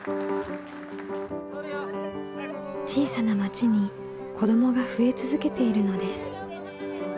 小さな町に子どもが増え続けているのです。